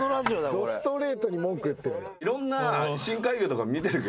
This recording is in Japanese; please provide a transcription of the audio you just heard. どストレートに文句言ってる。